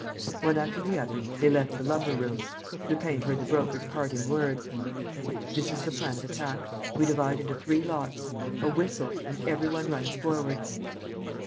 One after the other, they left the lumber room. Lupin heard the Broker's parting words: "This is the plan of attack. We divide into three lots. A whistle; and every one runs forward.